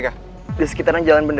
kita sekarang mag importante